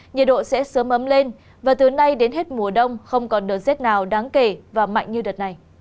nhiệt độ sẽ sớm ấm lên và từ nay đến hết mùa đông không còn đợt rét nào đáng kể và mạnh như đợt này